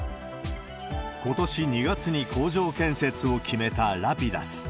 ことし２月に工場建設を決めたラピダス。